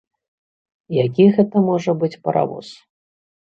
І які гэта можа быць паравоз?